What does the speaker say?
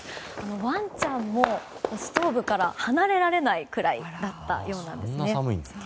ワンちゃんもストーブから離れられないくらいだったようです。